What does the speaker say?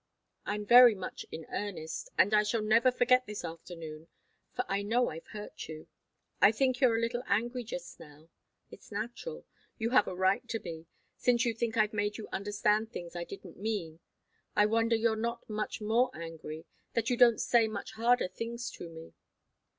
I'm very much in earnest, and I shall never forget this afternoon, for I know I've hurt you. I think you're a little angry just now. It's natural. You have a right to be. Since you think that I've made you understand things I didn't mean, I wonder you're not much more angry that you don't say much harder things to me.